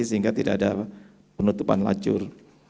sehingga tidak ada penutupan lajur